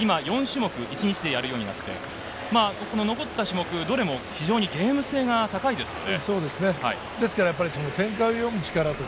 今４種目を１日でやるようになって残った種目どれもゲーム性が高いですよね。